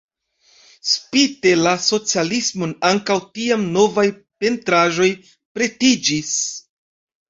Spite la socialismon ankaŭ tiam novaj pentraĵoj pretiĝis.